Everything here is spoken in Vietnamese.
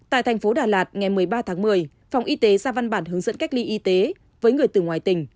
tại thành phố đà lạt ngày một mươi ba tháng một mươi phòng y tế ra văn bản hướng dẫn cách ly y tế với người từ ngoài tỉnh